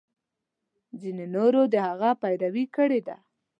ځینو نورو د هغه پیروي کړې ده.